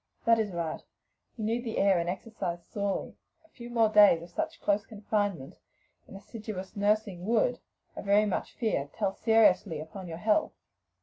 "That is right; you need the air and exercise sorely; a few more days of such close confinement and assiduous nursing would, I very much fear, tell seriously upon your health."